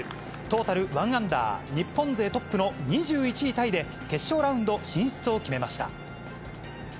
トータル１アンダー、日本勢トップの２１位タイで、決勝ラウンド進出を決めました。